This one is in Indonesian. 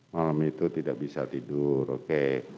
malam itu tidak bisa tidur oke